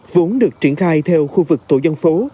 vốn được triển khai theo khu vực tổ dân phố